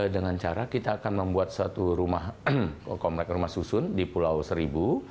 dengan cara kita akan membuat satu rumah komplek rumah susun di pulau seribu